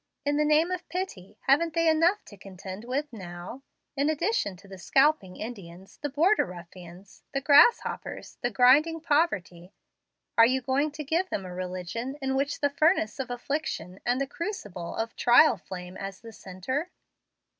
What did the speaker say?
In the name of pity, haven't they enough to contend with now? In addition to the scalping Indians, the border ruffians, the grasshoppers, and grinding poverty, are you going to give them a religion in which the furnace of affliction and the crucible of trial flame as the centre?